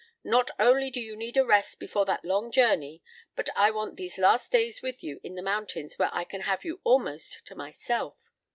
Not only do you need a rest before that long journey but I want these last days with you in the mountains where I can have you almost to myself.